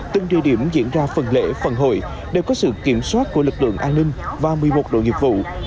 từng địa điểm diễn ra phần lễ phần hội đều có sự kiểm soát của lực lượng an ninh và một mươi một đội nghiệp vụ